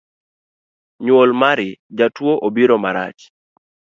Nyuol mar jatuo obiro marach